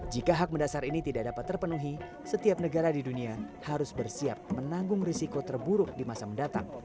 jika hak mendasar ini tidak dapat terpenuhi setiap negara di dunia harus bersiap menanggung risiko terburuk di masa mendatang